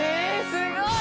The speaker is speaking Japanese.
すごい！